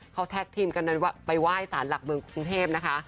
เขาแท็กทีมกันนั้นว่าไปไหว้สารหลักเมืองกรุงเทพนะคะ